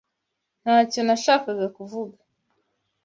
Ntacyo nashakaga kuvuga.